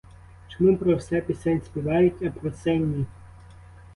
Чому про все пісень співають, а про це — ні?